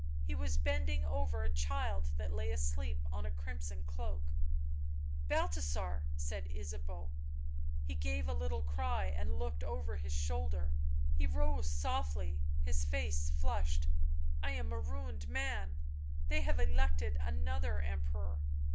He was bending over a child that lay asleep on a crimson cloak. " Balthasar/' said Ysabeau. He gave a little cry and looked over his shoulder. He rose softly, his face flushed. " I am a ruined man. They have elected another Emperor.